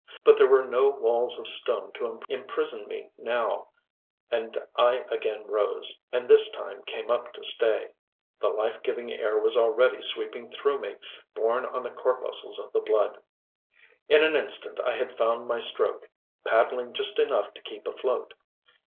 But there were no walls of stone to imprison me now, and I again rose, and this time came up to stay. The life giving air was already sweeping through me, borne on the corpuscles of the blood. In an instant I had found my stroke paddling just enough to keep afloat.